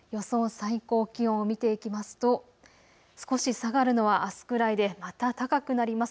最高気温を見ていきますと少し下がるのはあすくらいでまた高くなります。